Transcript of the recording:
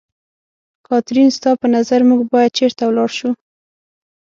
کاترین، ستا په نظر موږ باید چېرته ولاړ شو؟